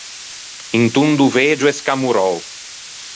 Un tondo vegio e scamorrou.